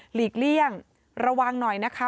หลีกเลี่ยงระวังหน่อยนะคะ